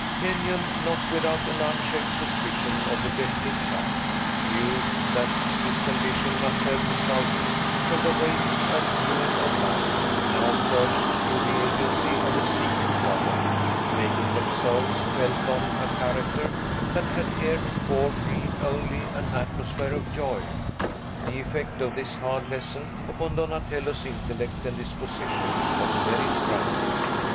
Kenyon, not without an unshaped suspicion of the definite fact, knew that his condition must have resulted from the weight and gloom of life, now first, through the agency of a secret trouble, making themselves felt on a character that had heretofore breathed only an atmosphere of joy. The effect of this hard lesson, upon Donatello's intellect and disposition, was very striking.